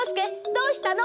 どうしたの？